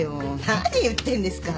何言ってんですか。